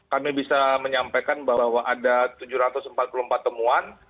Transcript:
kami bisa menyampaikan bahwa ada tujuh ratus empat puluh empat temuan